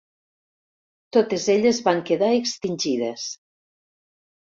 Totes elles van quedar extingides.